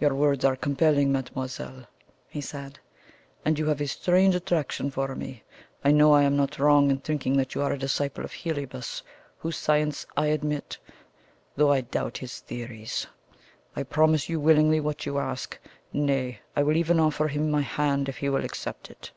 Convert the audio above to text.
"Your words are compelling, mademoiselle," he said; "and you have a strange attraction for me. I know I am not wrong in thinking that you are a disciple of Heliobas, whose science I admit, though I doubt his theories. I promise you willingly what you ask nay, I will even offer him my hand if he will accept it."